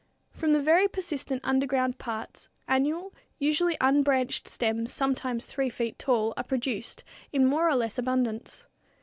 From the very persistent underground parts annual, usually unbranched stems, sometimes 3 feet tall, are produced in more or less abundance.